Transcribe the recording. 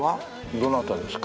どなたですか？